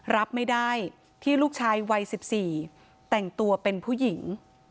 รับไม่ได้ที่ลูกชายวัย๑๔แต่งตัวเป็นผู้หญิง